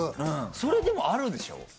それあるでしょ？